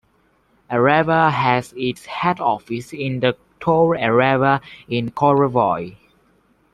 Areva has its head office in the Tour Areva in Courbevoie.